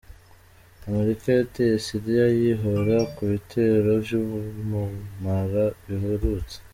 Amerika yateye Syria yihora ku bitero vy'ubumara biherutse.